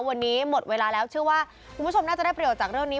วันนี้หมดเวลาแล้วเชื่อว่าคุณผู้ชมน่าจะได้ประโยชน์จากเรื่องนี้